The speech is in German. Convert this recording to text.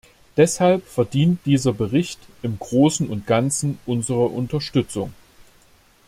Deshalb verdient dieser Bericht im Großen und Ganzen unsere Unterstützung.